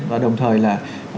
và đồng thời là